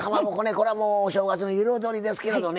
これはもうお正月の彩りですけれどね